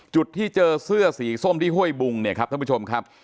จุดที่เจอเสื้อสีส้มที่ห้วยบุงเนี่ยครับท่านผู้ชมครับ